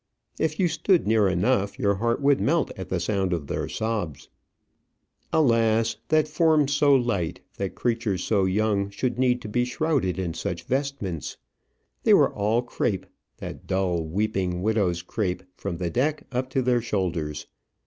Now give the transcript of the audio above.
If you stood near enough, your heart would melt at the sound of their sobs. Alas! that forms so light, that creatures so young, should need to be shrouded in such vestments! They were all crape, that dull, weeping, widow's crape, from the deck up to their shoulders.